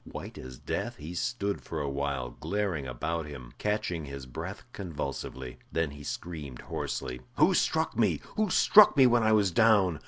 White as death, he stood for a while glaring about him, catching his breath convulsively. Then he screamed hoarsely. "Who struck me? Who struck me when I was down?